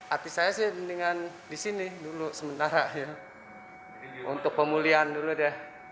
arti saya sih mendingan di sini dulu sementara ya untuk pemulihan dulu deh